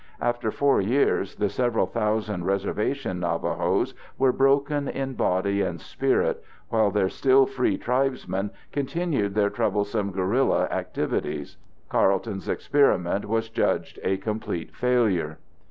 After 4 years, the several thousand reservation Navajos were broken in body and spirit, while their still free tribesmen continued their troublesome guerrilla activities. Carleton's experiment was judged a complete failure.